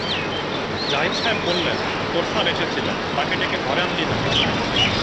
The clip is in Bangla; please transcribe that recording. জাহিদ সাহেব বললেন, তোর স্যার এসেছিলেন, তাঁকে ডেকে ঘরে আনলি না কেন?